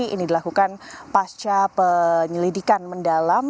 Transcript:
ini dilakukan pasca penyelidikan mendalam